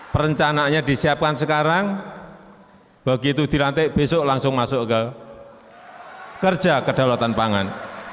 perencanaannya disiapkan sekarang begitu dilantik besok langsung masuk ke kerja kedaulatan pangan